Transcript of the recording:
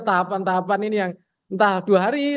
tahapan tahapan ini yang entah dua hari